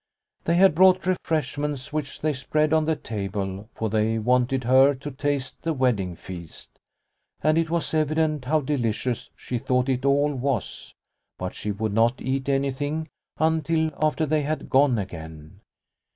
They had brought refreshments which they spread on the table, for they wanted her to taste the wedding feast. And it was evident how delicious she thought it all was, but she would not eat anything until after they had gone again.